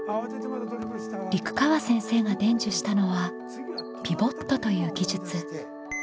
陸川先生が伝授したのはピボットという技術。